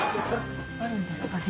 あるんですかね？